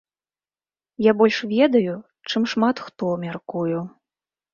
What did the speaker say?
Я больш ведаю, чым шмат хто, мяркую.